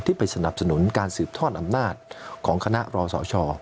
ไปสนับสนุนการสืบทอดอำนาจของคณะรอสช